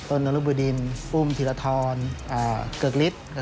ต้นนรบดินปุ้มธิรฐรเกอร์กฤทธิ์